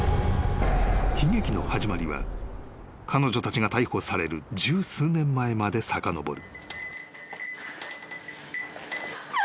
［悲劇の始まりは彼女たちが逮捕される十数年前までさかのぼる］